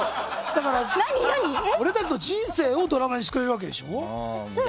だから、俺たちの人生をドラマにしてくれるわけでしょ。